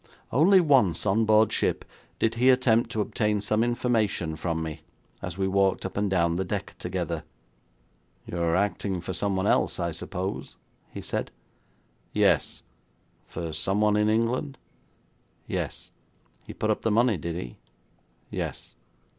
Only once on board ship did he attempt to obtain some information from me as we walked up and down the deck together. 'You are acting for someone else, I suppose?' he said. 'Yes.' 'For someone in England?' 'Yes.' 'He put up the money, did he?' 'Yes.'